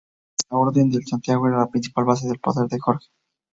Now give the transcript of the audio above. La Orden de Santiago era la principal base de poder de Jorge.